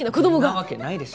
んなわけないでしょ！